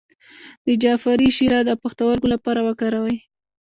د جعفری شیره د پښتورګو لپاره وکاروئ